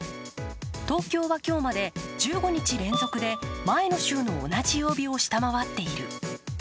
東京は今日まで、１５日連続で前の週の同じ曜日を下回っている。